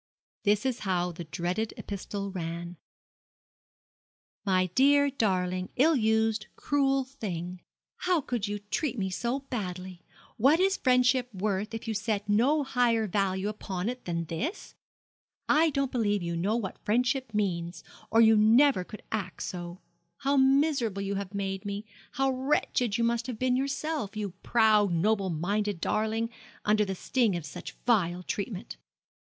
This is how the dreaded epistle ran: 'My dear darling, ill used, cruel thing, 'However could you treat me so badly? What is friendship worth, if you set no higher value upon it than this? I don't believe you know what friendship means, or you never could act so. How miserable you have made me! how wretched you must have been yourself! you proud, noble minded darling under the sting of such vile treatment.